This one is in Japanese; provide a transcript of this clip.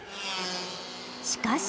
しかし。